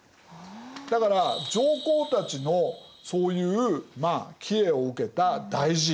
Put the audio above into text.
だから上皇たちのそういうまあ帰依を受けた大寺院